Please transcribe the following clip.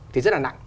thì rất là nặng